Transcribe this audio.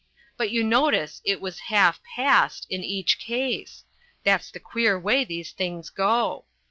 But you notice it was half past in each case. That's the queer way these things go.